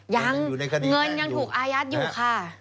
ยังเงินยังถูกอายัดอยู่ค่ะอยู่ในคดีแรงอยู่